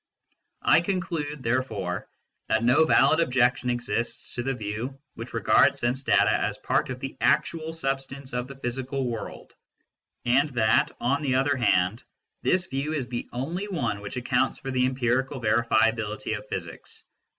I conclude, therefore, that no valid objection exists to the view which regards sense data as part of the actual substance of the physical world, and that, on the other hand, this view is the only one which accounts for the empirical verifiability of physics.